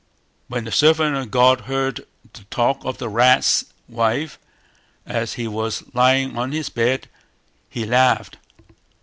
When the servant of God heard the talk of the rat's wife, as he was lying on his bed, he laughed.